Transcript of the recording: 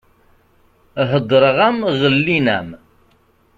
Heddreɣ-am ɣellin-am!